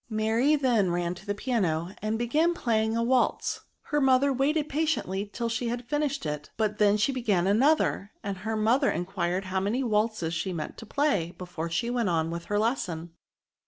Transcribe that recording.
Mary then ran to the piano, and began playing a waltz ; her mother waited patiently till she had finished it, but then she began another, and her mother enquired how many waltzes she meant to play before she went on with her lesson.